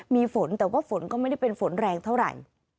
มีฝนแต่ว่าฝนก็ไม่ได้เป็นฝนแรงเท่าไหร่